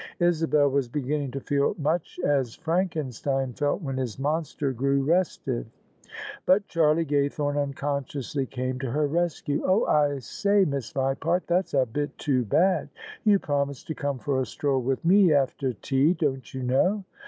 Isabel was beginning to feel much as Frankenstein felt when his monster gr^w restive. But Charlie Gaythome unconsciously came to her rescue. "Oh! I say, Miss Vipart: that's a bit too bad. You promised to come for a stroll with me after tea, don't you know?"